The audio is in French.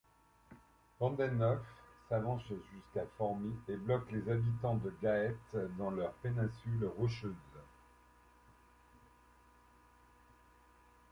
Pandenolf s'avance jusqu'à Formies et bloque les habitants de Gaète dans leur péninsule rocheuse.